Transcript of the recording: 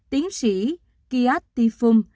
tiến sĩ kiat tifum